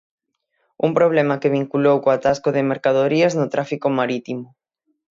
Un problema que vinculou co atasco de mercadorías no tráfico marítimo.